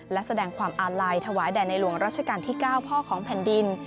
และแสดงความอาลัยถวายแด่ในหลวงรัชกาลที่๙พ่อของแผ่นดิน